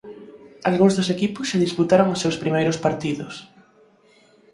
Algúns dos equipos xa disputaron os seus primeiros partidos.